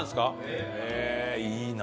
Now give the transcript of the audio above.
へえいいな。